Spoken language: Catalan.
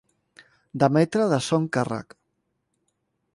Demetre de son càrrec.